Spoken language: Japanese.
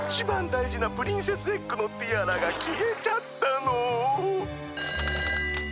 だいじなプリンセスエッグのティアラがきえちゃったの！